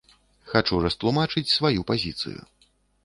Хачу растлумачыць сваю пазіцыю.